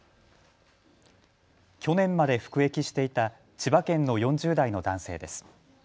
去年まで服役していた千葉県の４０代の男性です。